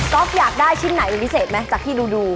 ก็อยากได้ชิ้นไหนเป็นพิเศษไหมจากที่ดู